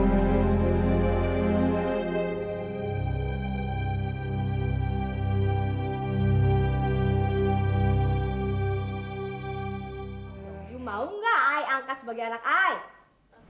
kamu mau angkat ayah sebagai anak ayah